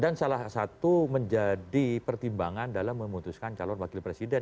dan salah satu menjadi pertimbangan dalam memutuskan calon wakil presiden